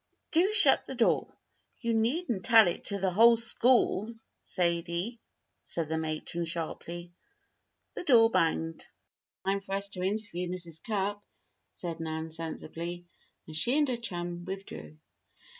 do shut the door. You needn't tell it to the whole school, Sadie," said the matron, sharply. The door banged. "This is no time for us to interview Mrs. Cupp," said Nan, sensibly, and she and her chum withdrew.